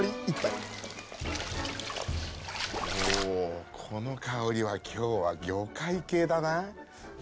おおこの香りは今日は魚介系だな。